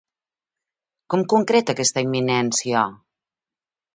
Com concreta aquesta imminència?